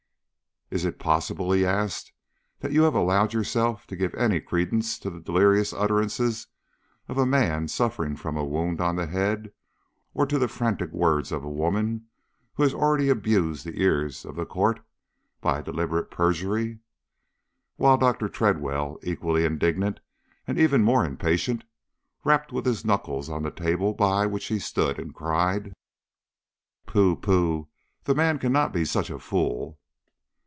"Is it possible," he asked, "that you have allowed yourself to give any credence to the delirious utterances of a man suffering from a wound on the head, or to the frantic words of a woman who has already abused the ears of the court by a deliberate perjury?" While Dr. Tredwell, equally indignant and even more impatient, rapped with his knuckles on the table by which he stood, and cried: "Pooh, pooh, the man cannot be such a fool!"